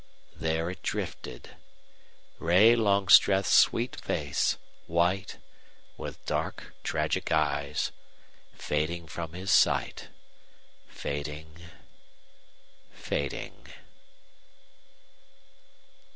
There it drifted Ray Longstreth's sweet face, white, with dark, tragic eyes, fading from his sight... fading.. . fading...